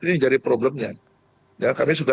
ini yang jadi problemnya